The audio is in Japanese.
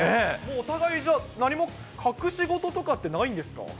お互いじゃあ、何も隠し事とかってないんですか？